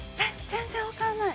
全然わからない。